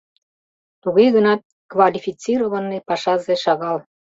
Туге гынат квалифицированный пашазе шагал.